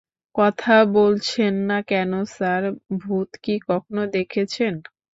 কথা বলছেন না কেন স্যার, ভূত কি কখনো দেখেছে্ন?